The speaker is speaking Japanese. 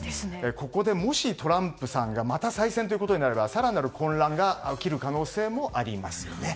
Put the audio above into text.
ここでもし、トランプさんがまた再選ということになれば更なる混乱が起きる可能性もありますよね。